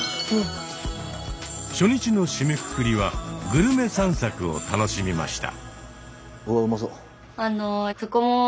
初日の締めくくりはグルメ散策を楽しみました。